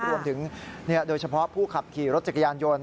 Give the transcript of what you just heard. โดยเฉพาะผู้ขับขี่รถจักรยานยนต์